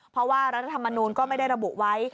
เพราะว่ารัฐธรรมนูลก็ไม่ได้ระบุไว้